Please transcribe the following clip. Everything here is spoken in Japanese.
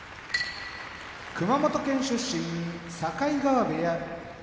熊本県出身境川部屋